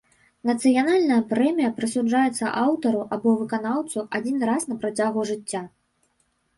Нацыянальная прэмія прысуджаецца аўтару або выканаўцу адзін раз на працягу жыцця.